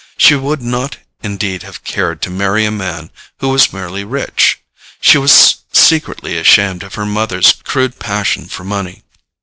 She would not indeed have cared to marry a man who was merely rich: she was secretly ashamed of her mother's crude passion for money.